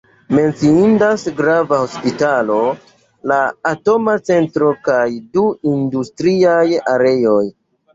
Menciindas grava hospitalo, la atoma centro kaj du industriaj areoj.